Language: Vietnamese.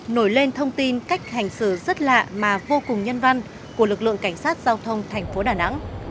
nổi lên thông tin cách hành xử rất lạ mà vô cùng nhân văn của lực lượng cảnh sát giao thông thành phố đà nẵng